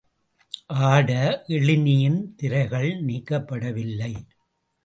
ஆட எழினியின் திரைகள் நீக்கப்படவில்லை.